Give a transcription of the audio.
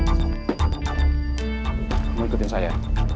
semuanya geworden sahaya